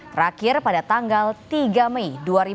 terakhir pada tanggal tiga mei dua ribu dua puluh